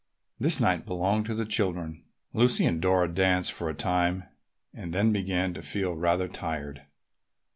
This night belonged to the children. Lucy and Dora danced for a time and then began to feel rather tired.